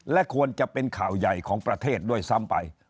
และควรจะเป็นข่าวใหญ่ของประเทศด้วยซ้ำไป